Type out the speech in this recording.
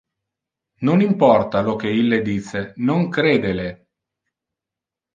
Non importa lo que ille dice, non crede le.